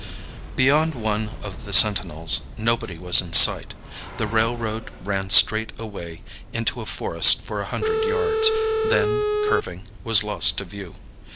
] Beyond one of the sentinels, nobody was in sight; the railroad ran straight away into a forest for a hundred yards, then, curving, was lost to view.